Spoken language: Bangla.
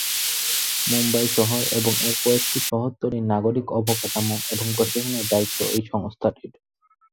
মুম্বাই শহর এবং এর কয়েকটি শহরতলির নাগরিক অবকাঠামো এবং প্রশাসনের দায়িত্ব এই সংস্থাটির।